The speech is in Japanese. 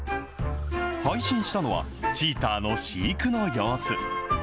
配信したのは、チーターの飼育の様子。